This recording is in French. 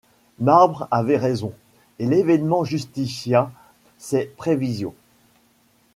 Marbre avait raison, et l’événement justifia ses prévisions.